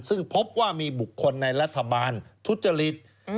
ซึ่งพบว่ามีบุคคลในรัฐบาลทุจริต